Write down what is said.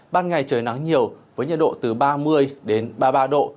ban ngày trời nắng nhiều với nhiệt độ từ ba mươi đến ba mươi ba độ